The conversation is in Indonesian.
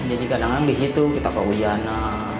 jadi kadang kadang di situ kita ke hujana